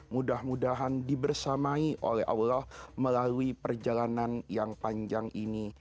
mudah mudahan dibersamai oleh allah melalui perjalanan yang panjang ini